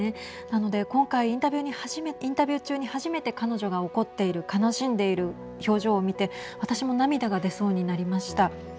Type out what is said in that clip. なので今回インタビュー中に初めて彼女が怒っている悲しんでいる表情を見て私も涙が出そうになりました。